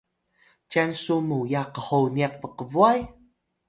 cyan su muya qhoniq pkbway?